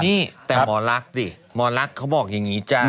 นี่แต่หมอลั๊กเขาบอกอย่างงี้จ้ะ